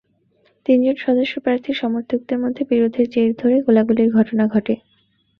তিনজন সদস্য প্রার্থীর সমর্থকদের মধ্যে বিরোধের জের ধরে গোলাগুলির ঘটনা ঘটে।